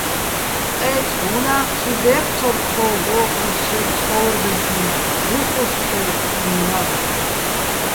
წყე́წყ უ̂ნა́ხში დე́ფცორ თხო́გო̆ ო́ჴუს შერ ცხო́ვრბეხიჼ, უ̂ხუშ თე́ჴინო̆ ჲარ.